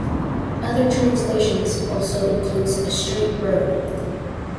Other translations also includes "a straight road".